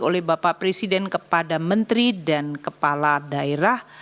oleh bapak presiden kepada menteri dan kepala daerah